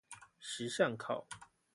時尚考